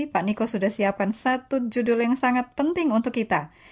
pak nikol sudah siapkan satu judul yang sangat penting untuk kita